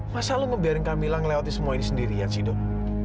masa lu membiarkan kamilah melewati semua ini sendirian sih dok